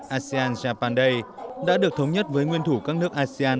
asean japan day đã được thống nhất với nguyên thủ các nước asean